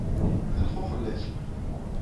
Tenxuxel-ak.